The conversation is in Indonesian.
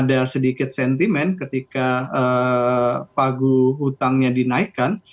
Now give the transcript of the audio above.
jadi memang ada sedikit sentimen ketika pagu hutangnya dinaikkan